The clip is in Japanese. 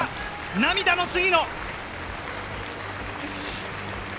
涙の杉野。